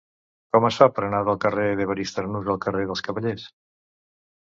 Com es fa per anar del carrer d'Evarist Arnús al carrer dels Cavallers?